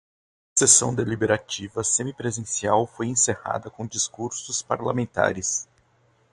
A sessão deliberativa semipresencial foi encerrada com discursos parlamentares